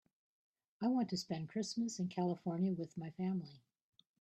I want to spend Christmas in California with my family.